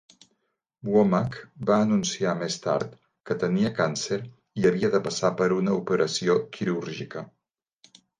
Womack va anunciar més tard que tenia càncer i havia de passar per una operació quirúrgica.